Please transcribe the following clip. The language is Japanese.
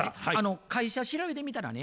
会社調べてみたらね